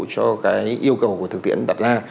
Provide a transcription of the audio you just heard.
cho yêu cầu của thực tiễn đặt ra